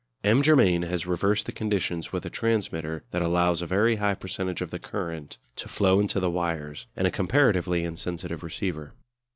M. Germain has reversed the conditions with a transmitter that allows a very high percentage of the current to flow into the wires, and a comparatively insensitive receiver.